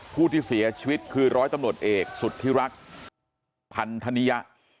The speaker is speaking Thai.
ผู้ที่เสียชีวิตคือร้อยตำรวจเอกสุธิรักษ์พันธนิยะ